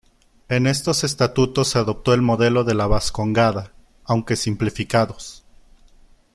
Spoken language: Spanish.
En estos estatutos se adoptó el modelo de la Bascongada, aunque simplificados.